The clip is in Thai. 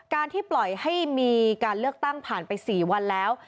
ที่ปล่อยให้มีการเลือกตั้งผ่านไป๔วันแล้ว